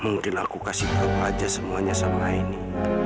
mungkin aku kasih tahu aja semuanya sama aini